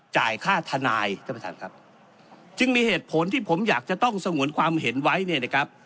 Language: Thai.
จ่ายค่าทนายท่านประธานครับจึงมีเหตุผลที่ผมอยากจะต้องสงวนความเห็นไว้เนี่ยนะครับ